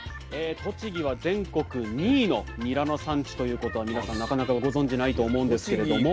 栃木は全国２位のニラの産地ということは皆さんなかなかご存じないと思うんですけれども。